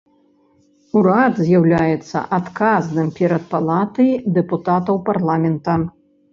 Урад з'яўляецца адказным перад палатай дэпутатаў парламента.